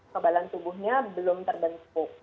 kebalan tubuhnya belum terbentuk